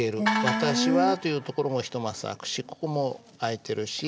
「私は、」というところも一マスあくしここもあいてるし。